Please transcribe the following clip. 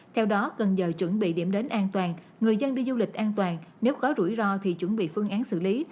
theo đó cần giờ chuẩn bị điểm đến an toàn người dân đi du lịch an toàn nếu có rủi ro thì chuẩn bị phương án xử lý